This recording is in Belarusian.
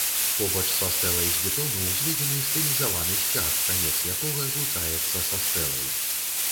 Побач са стэлай з бетону ўзведзены стылізаваны сцяг, канец якога злучаецца са стэлай.